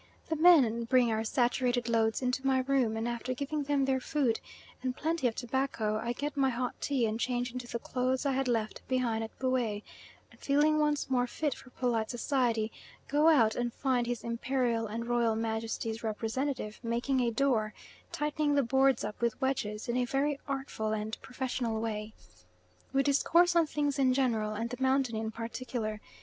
The men bring our saturated loads into my room, and after giving them their food and plenty of tobacco, I get my hot tea and change into the clothes I had left behind at Buea, and feeling once more fit for polite society, go out and find his Imperial and Royal Majesty's representative making a door, tightening the boards up with wedges in a very artful and professional way. We discourse on things in general and the mountain in particular.